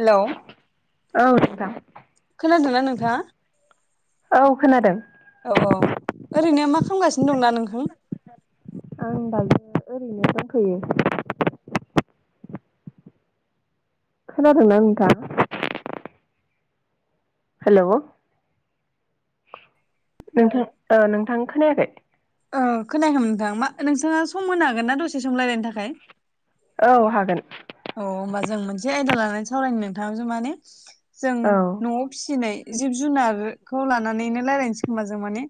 Hello औ नोंथां खोनादोंना नोंथाङा औ खोनादों औ औ ओरैनो मा खामगासिनो दं [unintelligible] नोंथां आं दायो ओरैनो दंथयो खोनादोंना नोंथां हेलौ नोंथां ओ नोंथां खोनायाखै औ खोनायाखोमोन नोंथां मा नोंथाङा सम होनो हागोन ना दसे सम रायलायनो थाखाय औ हागोन अ होमबा जों मोनसे आयदा लानानै सावरायनो नोंथांजो माने जों औ न'आव फिसिनाय जिब जुनारखौ लानानैनो रायजलायनोसै खोमा जों माने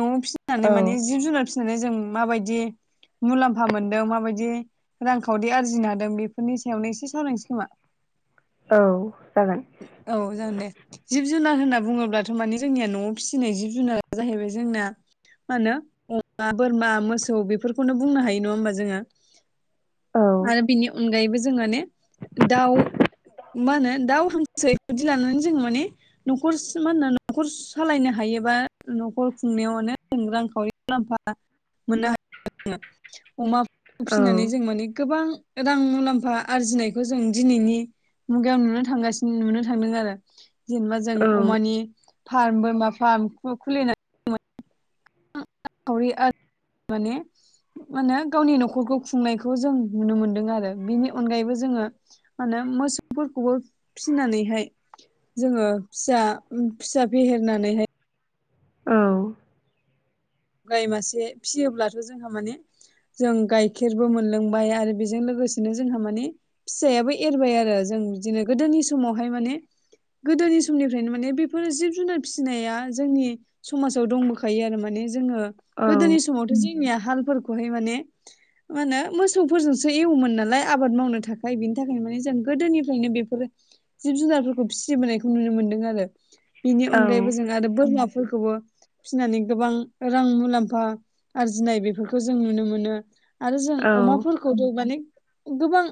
न'आव फिनानै औ माने जिब जुनार फि माने जों माबायदि मुलामफा मोनदों माबायदि रांखावरि आरजिनो हादों बेफ बेफोरनि सायावनो एसे सावरायनोसै खोमा औ जागोन औ जागोन दे जिब-जुनार होनना बुङोब्लाथ' माने जोंनिया न'आव फिसिनाय जिब जुनारा जाहैबाय जोंना मा होनो अमा बोरमा मोसौ बेफोरखौनो बुंनो हायो नङा होमबा जोङो औ आरो बिनि अनगायैबो जों ने दाउ मा होनो दाउ हांसो बेफोरदि लानानै जोङो माने न'खर मा होनो न'खर सालायनो हायोबा न'खर खुंनायावनो रांखावरि मुलाम्फा मोननो हयो अमा औ फिनानै जों माने गोबां रां मुलाम्फा आरजिनायखौ जों दिनैनि मुगायावायाव नुनो थांगासिनो नुनो थांदों आरो जेनेबा जों औ अमानि फार्म बोरमा फार्म खुलिनो रांखावरि आरो माने मा होने गावनि न'खरखौ खुंनायखौ जों नुनो मोनदों आरो बेनि अनगायैबो जोङो माहोनो मोसौफोरखौबो फिनानैहाय जोङो फिसा फिसा फेहेरनानैहाय औ गाय मासे फिसियोब्लाथ' जोंहा माने जों गाइखेरबो मोनलोंबाय आरो बेजों लोगोसेनो जोंहा माने फिसायाबो एरबाय आरो जों बिदिनो गोदोनि समावहाय माने गोदोनि समनिफ्रायनो माने बेफोर जिब-जुनार फिनाया जोंनि समाजाव दंबोखायो आरो माने जोङो गोदोनि औ समावथ' जोंनिया हालफोरखौहाय माने मा होनो मोसौफोरजोंसो एवोमोन नालाय आबाद मावनो थाखाय बिनि थाखायनो माने जों गोदोनिफ्रायनो बेफोर जिब जुनारफोरखौ फिसिबोनायखौ नुनो मोनदों आरो। बिनि औ अनगायैबो जों आरो बोरमाफोरखौबो फिनानै गोबां रां मुलाम्फा आरजिनाय बेफोरखौ जों नुनो मोनो आरो जों औ औ अमा फोर खौथ' माने गोबां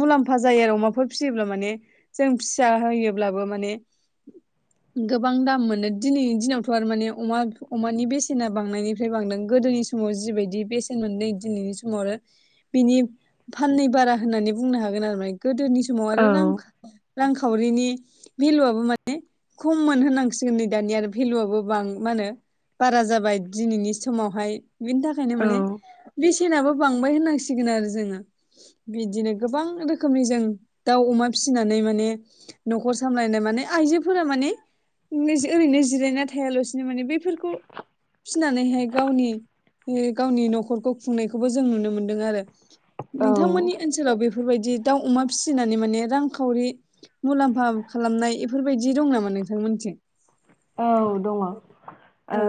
मुलाम्फा जायो आरो अमाफोर फिसियोब्ला माने जों फिसा होयोब्लाबो माने गोबां दाम मोनो दिनैनि दिनावथ' आरो माने अमा अमानि बेसेना बांनायनिफ्राय बांदों गोदोनि समाव जिबायदि बेसेन मोनदों दिनैनि समाव आरो बिनि फाननै बारा होननानै बुंनो हागोन आरोम गोदोनि समाव दङ आरो रां रांखावरिनि भेलुआबो माने खममोन होननांसिगोन नै दानि आरो भेलुआबो बां मा होनो बारा जाबाय दिनैनि समावहाय बिनि थाखायनो माने ओ बेसे सेनाबो बांबाय होननांसिगोन आरो जोंङो। बिदिनो गोबां रोखोमनि जों दाउ अमा फिसिनानै माने। न'खर सामलायनाय माने आइजोफोरा माने ओरैनो जिरायना थायालासिनो माने बे फोरखौ। फिसिनानैहाय गावनि गावनि न'खरखौ खुंनायखौबो जों नुनो मोनदों आरो। नोंथांमोननि ओनसोलाव बेफोरबायदि दाउ अमा फिसिनानै माने रांखावरि मुलाम्फा खालामनाय बेफोरबायदि दं नामा नोंथांमोनथिं? औ दङ। औ।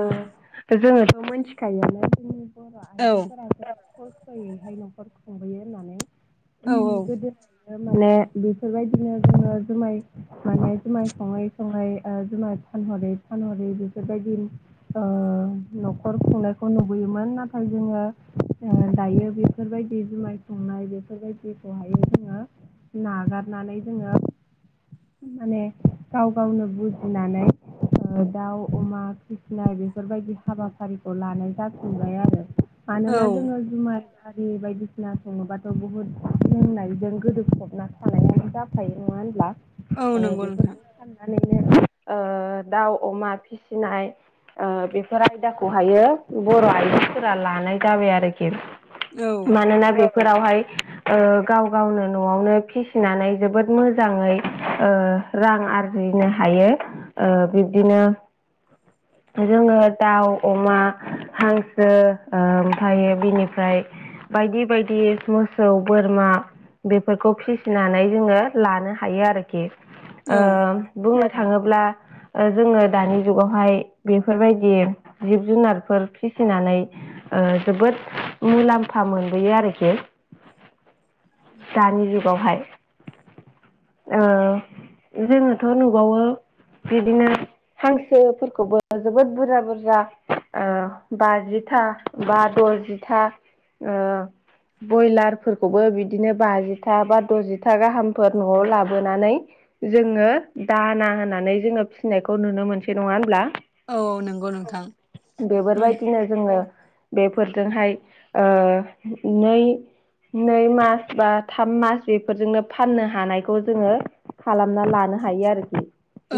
जोंङोथ' मिथिखायोानो जोंनि बर' औ आइजोफोरा खसथ'यैहाय न'खर खुंबोयो होननानै औ [inaudible] गोदो। माने बेफोरबायदिनो जोंङो जुमाय माने जुमाय सङै सङै जुमाय फानहरै फानहरै बेफोरबायदि ओ न'खर खुंनायखौ नुबोयोमोन नाथाय जोंङो दायो बे बेफोरबायदि जुमाय संनाय बेफोरबायदिखौहाय जोंङो नागारनानै जोंङो माने गाव गावनो बुजिनानै दाउ अमा फिसिनाय बेफोरबायदि हाबाफारिखौ लानाय जाफिनबाय आरो मानोना औ जोंङों जुमाय हारि बायदिसिना सङोबाथ' बुहुद लोंनायजों गोदोफबना थानाया जा खायो नङा होनब्ला औ नंगौ नोंथां बेफोरखौ साननानैनो ओ दाउ अमा फिसिनाय बेफोर आयदाखौहायो बर' आयजोफोरा लानाय जाबाय आरोखि। औ मानोना बे फोरावहाय ओ गाव गावनो न'आवनो फिसिनानै जोबोद मोजाङै ओ रां आरजिनो हायो। ओ बिब्दिनो जोङो दाउ, अमा, हांसो, ओ ओमफ्रायो बिनिफ्राय बायदि बायदि मोसौ, बोरमा बेफोरखौ फिसिनानै जोङो लानो हायो आरोखि। औ ओ बुंनो थांङोब्ला जोङो दानि जुगावहाय बेफोरबायदि जिब जुनारफोर फिसिनानै जोबोद मुलाम्फा मोनबोयो आरोखि। दानि जुगावहाय ओ जोंङोथ' नुबावो बिदिनो हांसोफोरखौबो जोबोद बुरजा बुरजा बाजिथा बा द'जिथा ओ। बयलारफोरखौबो बिदिनो बाजिथा बा दजिथा गाहामफोर न'आव लाबोनानै जोंङो दाना होनानै जोङो फिसिनायखौ नुनो मोनसे नंङा होनोब्ला? औ नों बेबारबायदिनो जोङो बेफोरजोंहाय ओ नै नै मास बा थाम मास बेफोरजोंनो फाननो हानायखौ जोङो खालामना लानो हायो आरोखि।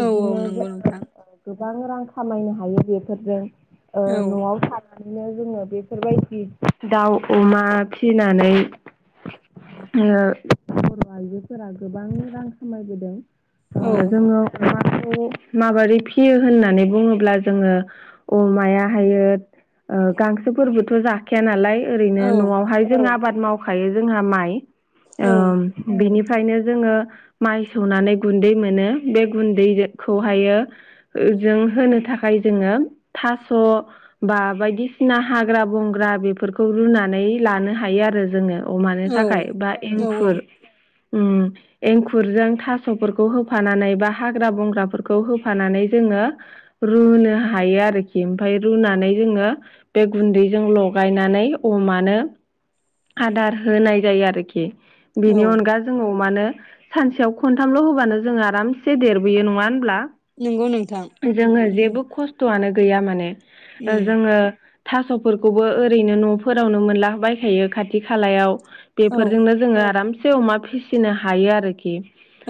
औ औ नंगौ जोङो नोंथां गोबां रां खामायनो हायो बेफोरजों। ओ औ न'आव सा [inaudible] नो जोङो बेफोरबायदि दाउ अमा फिनानै ओ बर' आइजोफोरा गोबां रां खामायबोदों। औ जोङो अमाखौ माबोरै फियो होननानै बुङोब्ला जोङो अमाया हायो ओ गांसोफोरबोथ' जा खाया नालाय औ ओरैनो न'आवहाय जों आबाद मावखायो जोंहा माइ ओ बिनिफ्रायनो जोङो माइ सौनानै गुन्दै मोनो बे गुन्दैखौहायो जों होनो थाखाय जोङो थास' बा बायदिसिना हाग्रा बंग्रा बेफोरखौ रुनानै लानो हायो आरो जोङो। अमानो औ थाखाय बा औ एंखुर उम एंखुरजों थास'फोरखौ होफानानै बा हाग्रा बंग्राफोरखौ होफानानै जोङो रुनो हायो आरोखि ओमफाय रुनानै जोङो बे गुन्दैजों लगायनानै अमानो आदार होनाय जायो आरोखि औ बेनि अनगा जोङो अमानो सानसेयाव खनथामल' होबानो जों आरामसे देरबोयो नङा होनब्ला? नंगौ नोंथां। जोङो औ जेबो खस्थ'आनो गैया माने जोङो थास'फोरखौबो ओरैनो न'फोरावनो मोनला बायखायो खाथि खालायाव। औ बेफोरजोंनो जोङो आरामसे अमा फिसिनो हायो आरोखि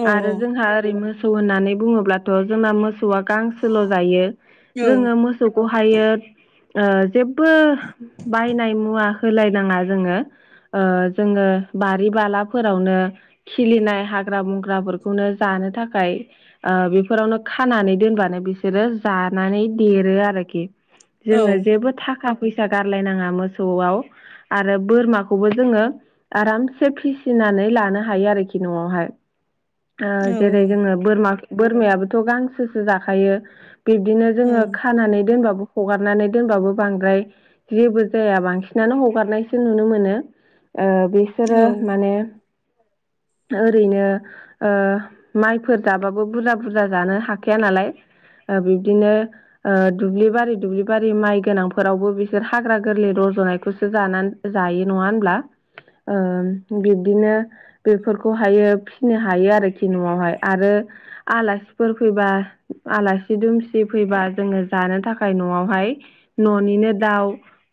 औ औ आरो जोंहा ओरै मो सौ होननानै बुङोब्लाथ' जोंना मोसौआ गांसोल' जायो ओं जोङो मो सौखौहायो ओ जेबबो बायनाय मुवा होलायनाङा जोङो। ओ जोङो बारि बालाफोरावनो खिलिनाय हाग्रा बंग्राफोरखौनो जानो थाखाय ओ बेफोरावनो खानानै दोनबानो बिस बिसोरो जानानै देरो आरोखि जोङो जेबो थाखा फैसा गारलायनाङा मोसौआव आरो बोरमाखौबो जोङो आरामसे फिसिनानै लानो हायो आरोखि न'आवहाय। ओ औ जेरै औ जोङो बोरमा बोरमायाबोथ' गांसोसो जाखायो। बिब्दिनो जोङो खानानै दोनबाबो हगारनानै दोनबाबो बांद्राय जेबो जाया बांसिनानो हगारनायसो नुनो मोनो ओ बिसोरो माने [inaudible] ओरैनो ओ माइफोर जाबाबो बुरजा बुरजा जानो हाखाया नालाय ओ बिब्दिनो ओ दुब्लिबारि दुब्लि बारि माइ गोनांफोरावबो बिसोर हाग्रा गोरलै रज'नायखौसो जानान जायो नङा होनब्ला? ओ बिब्दिनो बेफोरखौहायो फिनो हायो आरोखि न'आवहाय। आरो आलासिफोर फैबा आलासि दुमसि फैबा जोङो जानो थाखाय न'आवहाय न'निनो दाउ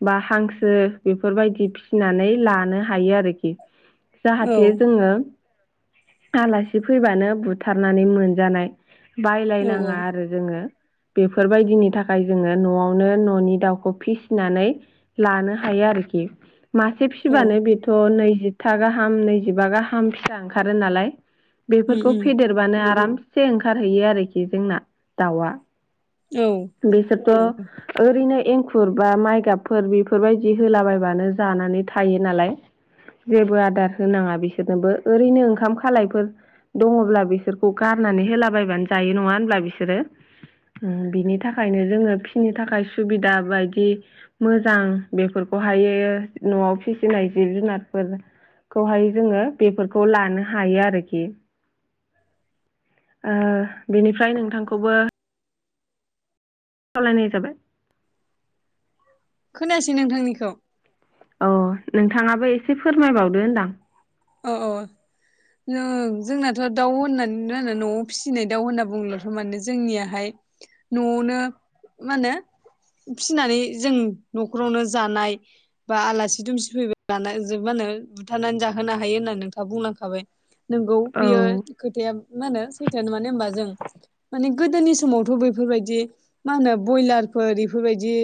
बा हांसो बेफोरबायदि फिसिनानै लानो हायो आरोखि। [unintelligible] जाहाथे जोङो आलासि फैबानो बुथारनानै मोनजानाय बायलायनाङा आरो। जोङो बेफोरबायदिनि थाखाय जोङो न'आवनो न'नि दाउखौ फिसिनानै लानो हायो आरोखि। मासे फिसिबानो बेथ' नैजिथा गाहाम नैजिबा गाहाम फिसा ओंखारो नालाय उम बेफोरखौ उम फेदेरबानो आरामसे ओंखारहैयो आरोखि जोंना दाउआ औ बेसोरखौ उम ओरैनो एंखुर बा माइ गाबफोर बेफोरबायदि होलाबायबानो जानानै थायो नालाय जेबो आदार होनाङा बिसोरनोबो ओरैनो ओंखाम खालायफोर दङब्ला बिसोरखौ गारनानै होलाबायायबानो जायो नङा होनब्ला बिसोरो बिनि थाखायनो जोङो फिनि थाखाय सुबिदा बायदि मोजां बेफोरखौहायो न'आव फिसिनाय जिब जुनारफोर खौहाय जोङो बेफोरखौ लानो हायो आरोखि। ओ बेनिफ्राय नोंथांखौबो सालानि हिसाबै खोनासै नोंथांनिखौ। अ नोंथाङाबो एसे फोरमायबावदो होनदां। अ अ जों जोंनाथ' दाउ होननानै न'आव फिसिनाय दाउ होनना बुंल'थ' मानो जोंनियाहाय न'आवनो माने फिनानै जों न'खरावनो जानाय बा आलासि दुमसि फैबायलानो जोब मानो बुथारनानै जाखो होनो हायो होनना नोंथाङा बुंलांखाबाय नोंगौ औ बियो खोथाया मा होनो सैथोानो मानोे हबा जों माने गोदोनि समावथ' बैफोरबायदि मा होनो ब्रयलारफोर इफोरबायदि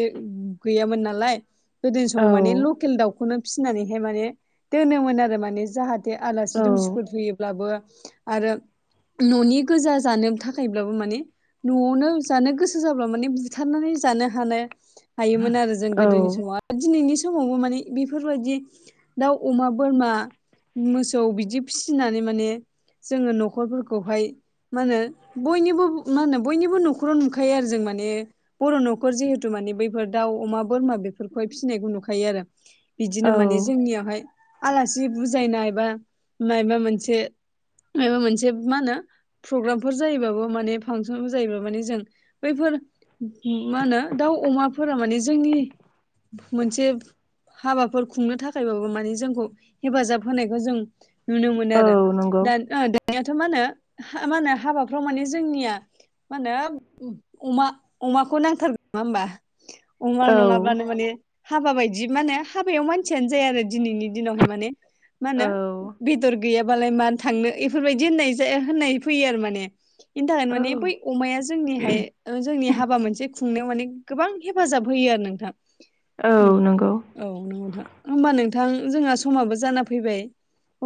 गैयामोन नालाय गोदोनि औ समाव माने लकेल दाउखौनो फिसिनानैहाय माने दोनोमोन आरो माने जाहाथे औ आलासि दुमसिफोर होैयोब्लाबो आरो न'नि गोजा जानो थाखायब्लाबो माने न'आवनो जानो गोसो जाब्ला माने बुथारनानै जानो हानो हायोमोन आरो जों औ गोदोनि समाव दिनैनि समावबो माने बेफोरबायदि दाउ अमा बोरमा मोसौ बिदि फिसिनानै माने जोङो न'खरफोरखौहाय मा होनो बयनिबो मा होनो बयनिबो न'खराव नुखायो आरो जों माने बर' न'खर जिहेतु माने बैफोर दाउ अमा बोरमा बेफोरखौहाय फिसिनायखौ नुखायो आरो बिदिनो माने औ जोंनियावहाय आलासि बुजायनायबा मायबा मोनसे मायबा मोनसे मा होनो प्रग्रामफोर जायोबाबो माने फांसनफोर जायोब माने जों बैफोर मा होनो दाउ अमाफोरा माने जोंनि मोनसे हाबाफोर खुंनो थाखायबाबो माने जोंखौ हेफाजाब होनायखौ जों नुनो मोनो औ आरो नंगौ दा हानायाथ' मा होनो मा होनो हाबाफ्राव माने जोंनिया मा होनो अमा अमाखौ नांथारगोन नङा होमबा अमा औ नङाब्लानो माने हाबा बायदि मानो हाबायाव मानसियानो जाया आरो दिनैनि दिनावहाय माने मा औ होनो बेदर गैयाबालाय मानो थांनो एफोरबायदि होननाय जा होननाय फैयो आरो माने इनिथाखायनो औ माने बै अमाया जोंनिहाय ओ जोंनि हाबा मोनसे खुंनायाव माने गोबां हेफाजाब होयो आरो नोंथां औ उम नंगौ औ नंगौथां होमबा नोंथां जोंहा समाबो जाना फैबाय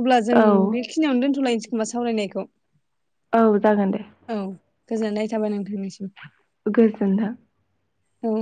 अब्ला जों औ बेखिनियावनो दोन्थ'लायनोसै खोमा सावरायनायखौ। औ जागोन दे। औ गोजोननाय थाबाय नोंथांनिसिम। गोजोन्थों औ